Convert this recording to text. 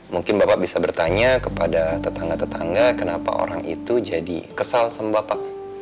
mungkin bapak bisa bertanya kepada tetangga tetangga kenapa orang itu jadi kesal sama bapak